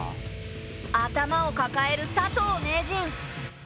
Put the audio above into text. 頭をかかえる佐藤名人。